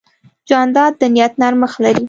جانداد د نیت نرمښت لري.